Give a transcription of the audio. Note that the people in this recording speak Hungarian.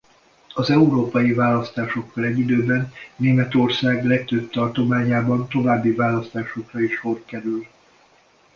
Az európai választásokkal egy időben Németország legtöbb tartományában további választásokra is sor kerül.